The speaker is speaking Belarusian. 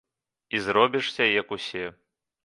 І зробішся як усе.